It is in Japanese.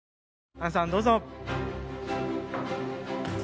杏さん、どうぞ。